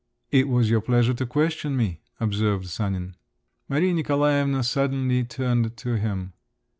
"It was your pleasure to question me," observed Sanin. Maria Nikolaevna suddenly turned to him.